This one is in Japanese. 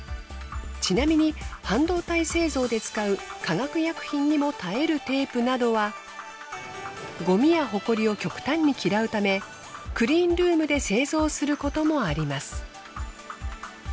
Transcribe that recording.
ちなみに半導体製造で使う化学薬品にも耐えるテープなどはゴミやホコリを極端に嫌うためクリーンルームで製造することもあります。